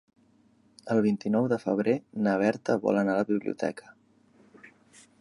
El vint-i-nou de febrer na Berta vol anar a la biblioteca.